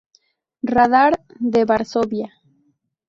Radar de Varsovia!